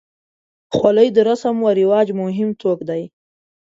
خولۍ د رسم و رواج مهم توک دی.